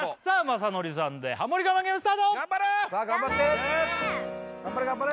雅紀さんでハモリ我慢ゲームスタート頑張れ！